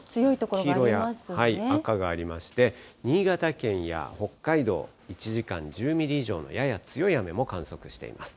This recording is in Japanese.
黄色や赤がありまして、新潟県や北海道、１時間に１０ミリ以上のやや強い雨も観測しています。